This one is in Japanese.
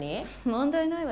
問題ないわよ。